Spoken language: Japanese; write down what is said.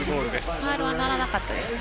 ファウルはならなかったですね。